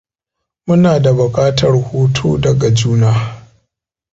Muna da bukatar hutu daga juna.